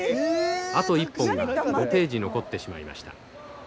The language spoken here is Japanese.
あと１本が５ページ残ってしまいました。